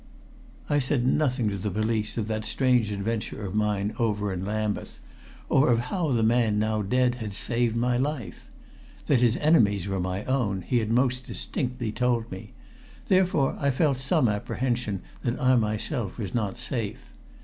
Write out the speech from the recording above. I said nothing to the police of that strange adventure of mine over in Lambeth, or of how the man now dead had saved my life. That his enemies were my own he had most distinctly told me, therefore I felt some apprehension that I myself was not safe.